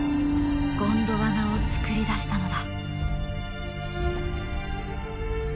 ゴンドワナをつくり出したのだ。